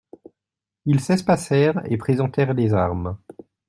Ils s'espacèrent et présentèrent les armes.